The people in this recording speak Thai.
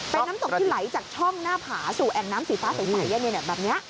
เป็นน้ำตกที่ไหลจากช่องหน้าผาสู่แอ่งน้ำสีฟ้าใสแบบนี้